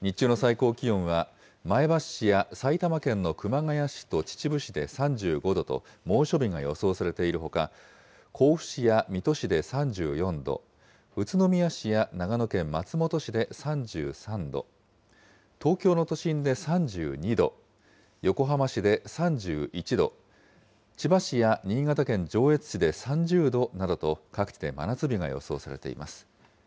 日中の最高気温は前橋市や埼玉県の熊谷市と秩父市で３５度と、猛暑日が予想されているほか、甲府市や水戸市で３４度、宇都宮市や長野県松本市で３３度、東京の都心で３２度、横浜市で３１度、千葉市や新潟県上越市で３０度などと、各地で真夏日が予想されています。